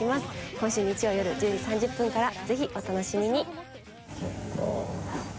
菊よる１０時３０分からぜひお楽しみに。